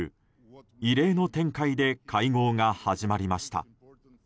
異例の展開で会合が始まりました。